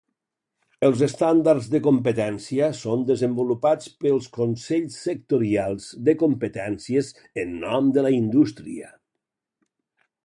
Els estàndards de competència són desenvolupats pels consells sectorials de competències en nom de la indústria.